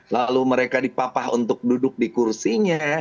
lalu mereka dipapah untuk duduk di kursinya